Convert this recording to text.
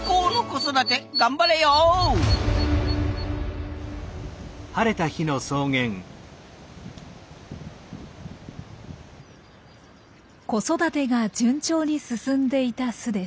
子育てが順調に進んでいた巣です。